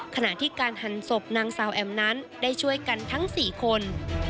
ขณะที่การหันศพนางสาวแอมนั้นได้ช่วยกันทั้ง๔คน